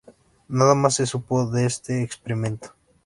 Nada más se supo de este experimento.